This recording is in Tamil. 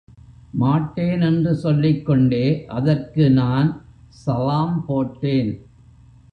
மாட்டேன் என்று சொல்லிக்கொண்டே அதற்கு நான் ஸலாம் போட்டேன்.